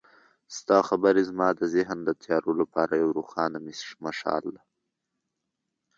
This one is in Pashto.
ستا خبرې زما د ذهن د تیارو لپاره یو روښانه مشال و.